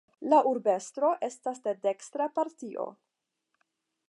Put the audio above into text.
La urbestro estas de dekstra partio.